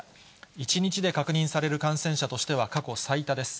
１日で確認される感染者としては過去最多です。